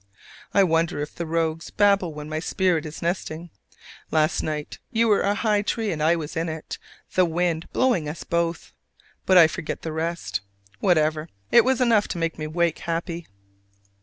I wonder if the rogues babble when my spirit is nesting? Last night you were a high tree and I was in it, the wind blowing us both; but I forget the rest, whatever, it was enough to make me wake happy.